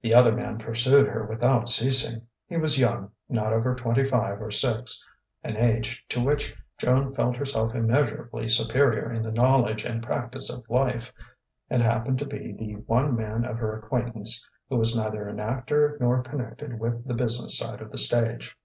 The other man pursued her without ceasing. He was young, not over twenty five or six an age to which Joan felt herself immeasurably superior in the knowledge and practice of life and happened to be the one man of her acquaintance who was neither an actor nor connected with the business side of the stage.